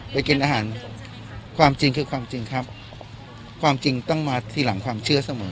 ไปกินอาหารความจริงคือความจริงครับความจริงต้องมาทีหลังความเชื่อเสมอ